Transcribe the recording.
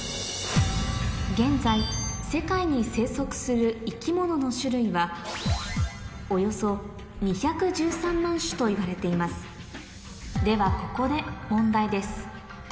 現在世界に生息する生き物の種類はといわれていますではここで問題です